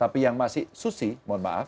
tapi yang masih susi mohon maaf